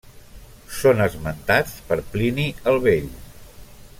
Són esmentats per Plini el Vell.